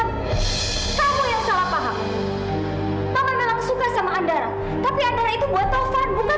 nah ada lakar nasib